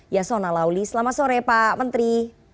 yasona lauli selamat sore pak menteri